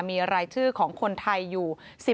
มีรายชื่อใครอยู่